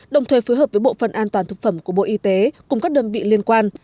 đồng thời phối hợp với bộ phận an toàn thực phẩm của bộ y tế cùng các đơn vị liên quan